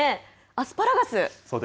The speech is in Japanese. アスパラガス。